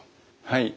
はい。